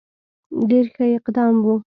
ډېر ښه اقدام وو.